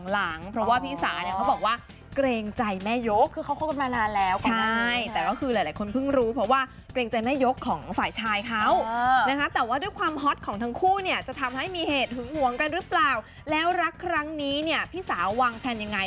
และรักครั้งนี้พี่สาววังแผนยังไง